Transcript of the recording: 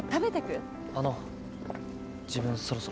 あの自分そろそろ。